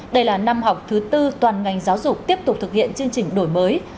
đây là năm học thứ tư toàn ngành giáo dục tiếp tục thực hiện chương trình đổi mới